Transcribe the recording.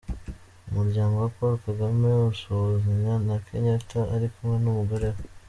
Umuryango wa Paul Kagame usuhuzanya na Kenyatta ari kumwe n’umugore we.